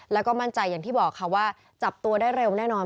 แล้วก็มั่นใจอย่างที่บอกค่ะว่าจับตัวได้เร็วแน่นอน